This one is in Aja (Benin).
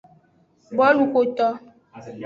Boluxoto.